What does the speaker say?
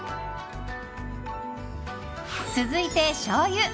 続いて、しょうゆ。